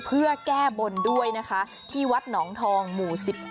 เพื่อแก้บนด้วยนะคะที่วัดหนองทองหมู่๑๑